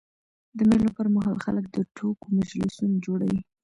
د مېلو پر مهال خلک د ټوکو مجلسونه جوړوي.